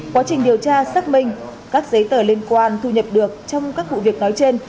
quá trình điều tra xác minh các giấy tờ liên quan thu nhập được trong các vụ việc nói trên